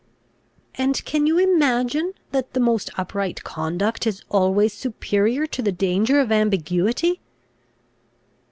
"And can you imagine, that the most upright conduct is always superior to the danger of ambiguity?"